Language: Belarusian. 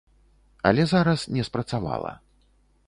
Але зараз не спрацавала.